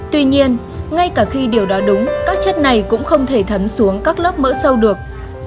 tuy nhiên ngay cả khi điều đó đúng các chất này cũng không thể thấm xuống các lớp mỡ sâu được